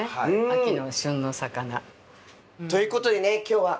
秋の旬の魚。ということでね今日はこちらの大鱸。